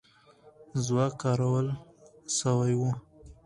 ځواک کارول سوی وو.